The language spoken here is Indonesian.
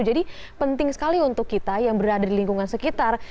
jadi penting sekali untuk kita yang berada di lingkungan sekitar